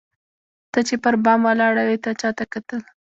ته چي پر بام ولاړه وې تا چاته کتل؟